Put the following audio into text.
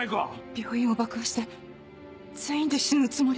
病院を爆破して全員で死ぬつもり？